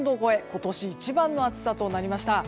今年一番の暑さとなりました。